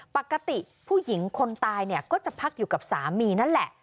ปกติผู้หญิงคนตายเนี่ยก็จะพักอยู่กับสามีนั่นแหละ